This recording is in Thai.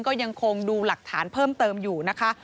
ก็ยังคงดูหลักฐานเพิ่มเติมอยู่นะคะ